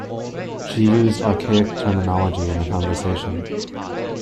She used archaic terminology in her conversation.